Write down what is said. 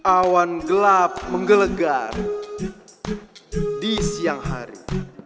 awan gelap menggelegar di siang hari